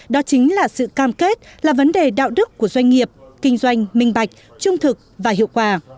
đó chính là sự cam kết là vấn đề đạo đức của doanh nghiệp kinh doanh minh bạch trung thực và hiệu quả